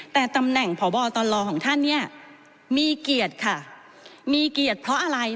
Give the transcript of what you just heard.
แต่ตำแหน่งพบตลของท่านเนี่ยมีเกียรติค่ะมีเกียรติเพราะอะไร